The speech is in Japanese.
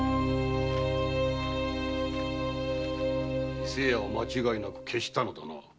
伊勢屋は間違いなく消したのだな。